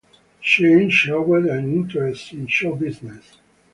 Cheng showed an interest in show business.